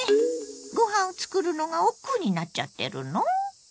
ご飯を作るのがおっくうになっちゃってるの？